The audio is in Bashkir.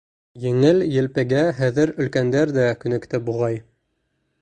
Еңел-елпегә хәҙер өлкәндәр ҙә күнекте, буғай.